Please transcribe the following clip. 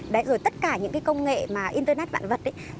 đấy rồi tất cả những cái công nghệ mà internet vạn vật ấy